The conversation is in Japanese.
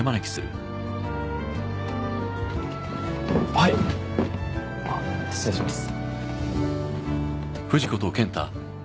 はい失礼します